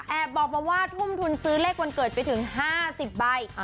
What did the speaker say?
บอกมาว่าทุ่มทุนซื้อเลขวันเกิดไปถึง๕๐ใบ